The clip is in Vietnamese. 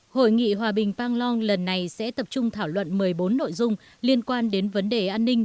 hội nghị hòa bình panglong lần này sẽ tập trung thảo luận một mươi bốn nội dung liên quan đến vấn đề an ninh